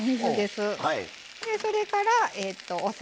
それから、お酒。